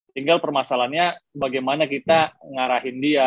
tinggal permasalahannya bagaimana kita ngarahin dia